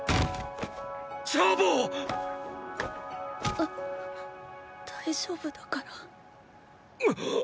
うっ大丈夫だから。！！